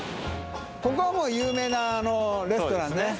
ここはもう有名なあのレストランね。